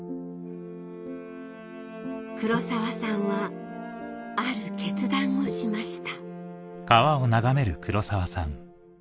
黒澤さんはある決断をしました